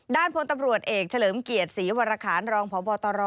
พลตำรวจเอกเฉลิมเกียรติศรีวรคารรองพบตร